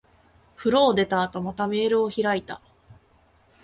風呂を出た後、またメールを開いた。